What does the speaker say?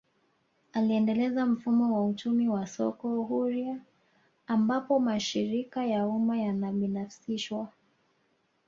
Aliendeleza mfumo wa uchumi wa soko huria ambapo mashirika ya umma yanabinafsishwa